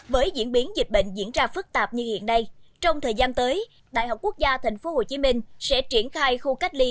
với diễn biến dịch bệnh diễn ra phức tạp như hiện nay trong thời gian tới đại học quốc gia tp hcm sẽ triển khai khu cách ly